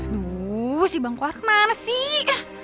aduh si bang kuark mana sih